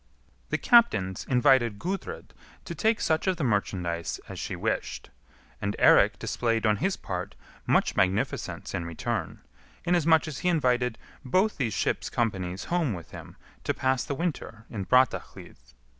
The captains invited Gudrid to take such of the merchandise as she wished, and Eirik displayed on his part much magnificence in return, inasmuch as he invited both these ships' companies home with him to pass the winter in Brattahlid.